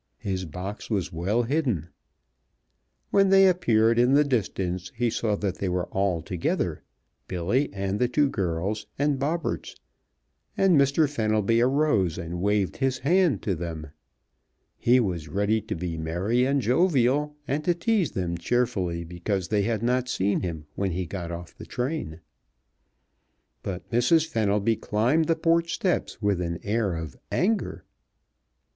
His box was well hidden. When they appeared in the distance he saw that they were all together, Billy and the two girls and Bobberts, and Mr. Fenelby arose and waved his hand to them. He was ready to be merry and jovial, and to tease them cheerfully because they had not seen him when he got off the train. But Mrs. Fenelby climbed the porch steps with an air of anger.